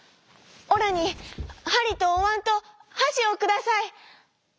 オラにはりとおわんとはしをください！」。